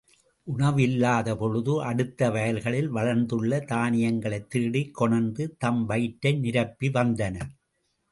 உணவு இல்லாத பொழுது அடுத்த வயல்களில் வளர்ந்துள்ள தானியங்களைத் திருடிக் கொணர்ந்து தம் வயிற்றை நிரப்பி வந்தனர்.